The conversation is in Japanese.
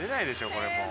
これもう。